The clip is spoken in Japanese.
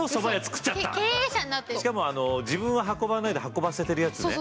しかも自分は運ばないで運ばせてるやつね。